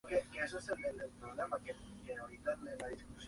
Los tres grabados finales de la suite son retratos de Vollard.